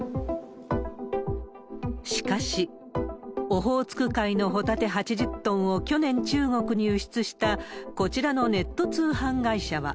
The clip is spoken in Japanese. しかし、オホーツク海のホタテ８０トンを去年中国に輸出した、こちらのネット通販会社は。